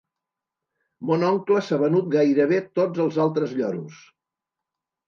Mon oncle s'ha venut gairebé tots els altres lloros.